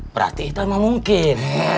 berarti itu emang mungkin